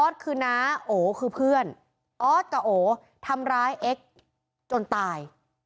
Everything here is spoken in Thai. คือน้าโอคือเพื่อนออสกับโอทำร้ายเอ็กซ์จนตาย